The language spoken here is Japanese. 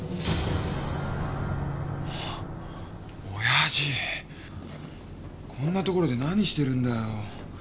親父こんな所で何してるんだよ。